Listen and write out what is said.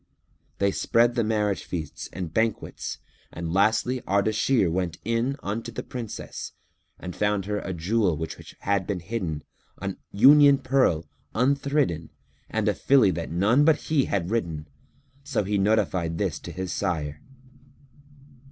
They spread the marriage feasts and banquets and lastly Ardashir went in unto the Princess and found her a jewel which had been hidden, an union pearl unthridden and a filly that none but he had ridden, so he notified this to his sire.